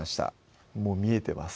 もう見えてます